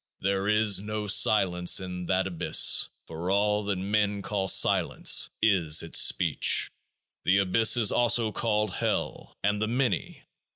There is no silence in that Abyss : for all that men call Silence is Its Speech. This Abyss is also called 'Hell,' and 'The Many.'